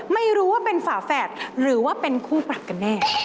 ไม่รู้ว่าเป็นฝาแฝดหรือว่าเป็นคู่ปรับกันแน่